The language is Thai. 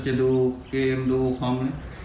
ต้องดูเกมดูของ